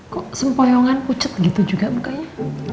kok sempoyongan pucet gitu juga mukanya